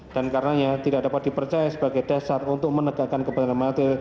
dan karenanya tidak dapat dipercaya sebagai dasar untuk menegakkan kebenaran mati